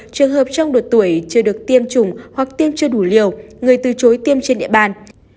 trường hợp trong độ tuổi chưa được tiêm chủng hoặc tiêm chưa đủ liều người từ chối tiêm trên địa bàn